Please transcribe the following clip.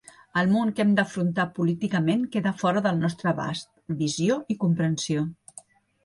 El món que hem d’afrontar políticament queda fora del nostre abast, visió i comprensió.